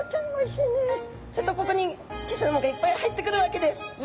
するとここに小さな藻がいっぱい入ってくるわけです。